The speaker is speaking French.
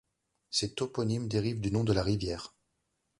Ces toponymes dérivent du nom de la rivière.